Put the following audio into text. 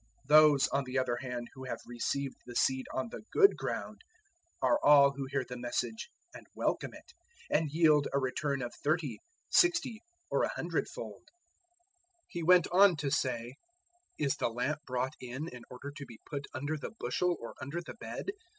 004:020 Those, on the other hand, who have received the seed on the good ground, are all who hear the Message and welcome it, and yield a return of thirty, sixty, or a hundred fold." 004:021 He went on to say, "Is the lamp brought in in order to be put under the bushel or under the bed?